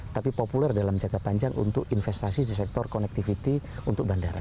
tapi populer dalam jangka panjang untuk investasi di sektor connectivity untuk bandara